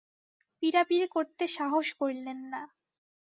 পীড়াপীড়ি করতে সাহস করলেন না।